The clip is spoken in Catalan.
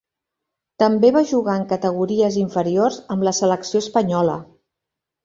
També va jugar en categories inferiors amb la selecció espanyola.